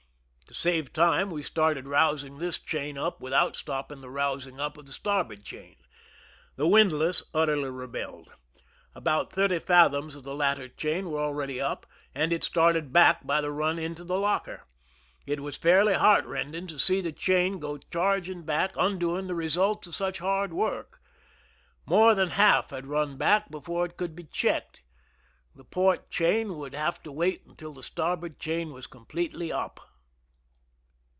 To save time, we started rousing this chain up without stopping the rousing up of the starboard chain. The windlass utterly rebelled. About thirty fathoms of the latter chain were already up, and it started back by the run into the locker. It was fairly heartrending to see the chain go charging back, undoing the results of such hard work. More than half had run back before it could be checked. The port chain would have to wait till the starboard chain was completely up.